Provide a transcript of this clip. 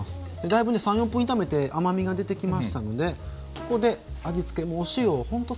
だいぶね３４分炒めて甘みが出てきましたのでここで味付けお塩をほんと少しだけパラッと。